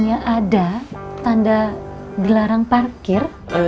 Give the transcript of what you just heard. misalnya ada tanda dilarang parkir